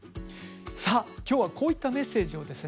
さあ今日はこういったメッセージをですね